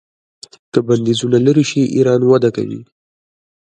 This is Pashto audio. که بندیزونه لرې شي ایران وده کوي.